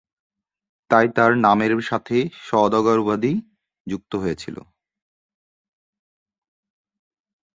তাই তার নামের সাথে সওদাগর উপাধি যুক্ত হয়েছিল।